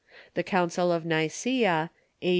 The Council of Nicwa, a.